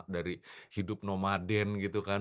dari hidup nomaden gitu kan